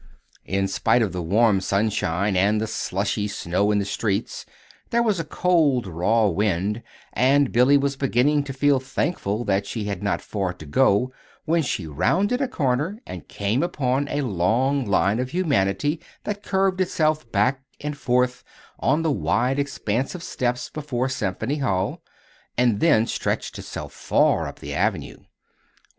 In spite of the warm sunshine and the slushy snow in the streets, there was a cold, raw wind, and Billy was beginning to feel thankful that she had not far to go when she rounded a corner and came upon a long line of humanity that curved itself back and forth on the wide expanse of steps before Symphony Hall and then stretched itself far up the Avenue.